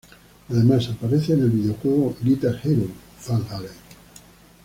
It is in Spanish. Además aparece en el videojuego Guitar Hero: Van Halen.